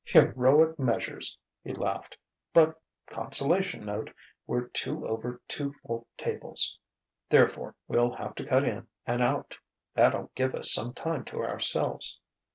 "Heroic measures!" he laughed. "But consolation note! we're two over two full tables. Therefore we'll have to cut in and out. That'll give us some time to ourselves."